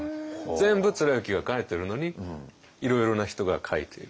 全部貫之が書いてるのにいろいろな人が書いている。